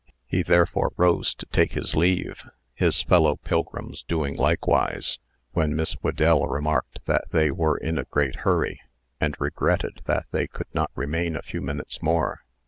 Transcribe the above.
He therefore, rose to take his leave, his fellow pilgrims doing likewise, when Miss Whedell remarked that they were in a great hurry, and regretted that they could not remain a few minutes more.